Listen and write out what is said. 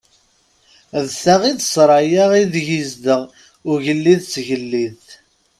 D ta i d ssṛaya ideg izdeɣ ugellid d tgellidt.